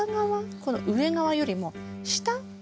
この上側よりも下。